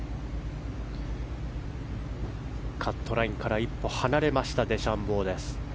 カットラインから１歩離れました、デシャンボー。